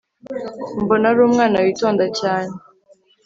mbona ari umwana witonda cyane